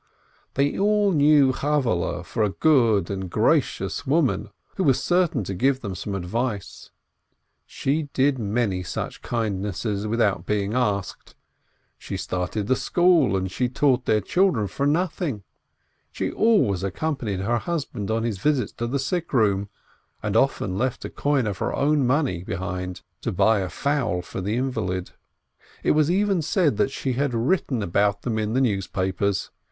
They all knew Chavvehle for a good and gracious woman, who was certain to give them some advice; she did many such kindnesses without being asked ; she had started the school, and she taught their children for nothing; she always accompanied her husband on his visits to the sick room, and often left a coin of her own money behind to buy a fowl for the invalid. It was even said that she had written about them in the news papers